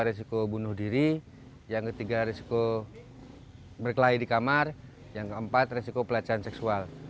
risiko bunuh diri yang ketiga risiko berkelahi di kamar yang keempat resiko pelecehan seksual